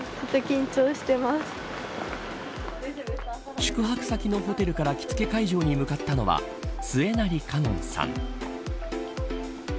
宿泊先のホテルから着付け会場に向かったのは末成香音さん。